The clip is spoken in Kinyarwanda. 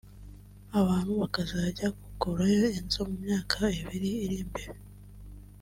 abantu bakazajya kugurayo inzu mu myaka iri imbere